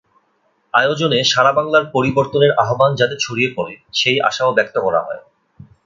আয়োজনে সারা বাংলা পরিবর্তনের আহ্বান যাতে ছড়িয়ে পড়ে, সেই আশাও ব্যক্ত করা হয়।